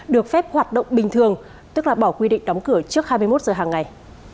được phép hoạt động bình thường tức là bỏ quy định đóng cửa trước hai mươi một giờ hàng ngày